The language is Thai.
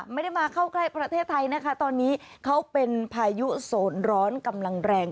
ไม่ได้มาเข้าใกล้ประเทศไทยนะคะตอนนี้เขาเป็นพายุโสดร้อนกำลังแรง